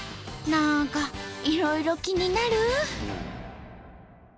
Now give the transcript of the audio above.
なんかいろいろ気になる！